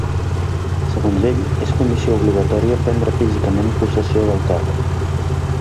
Segons ell, és condició obligatòria prendre físicament possessió del càrrec.